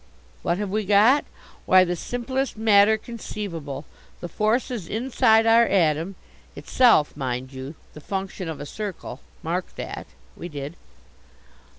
"What have we got? Why, the simplest matter conceivable. The forces inside our atom itself, mind you, the function of a circle mark that " We did.